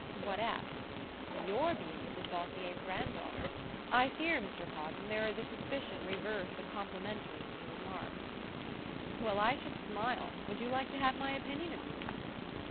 "What at?" "Your being Mrs Bossier's grand daughter." "I fear, Mr Hawden, there is a suspicion reverse of complimentary in your remark." "Well, I should smile! Would you like to have my opinion of you?"